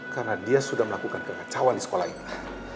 karena dia sudah melakukan kekacauan di sekolah ini